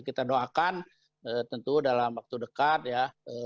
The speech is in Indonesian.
kita doakan tentu dalam waktu dekat ya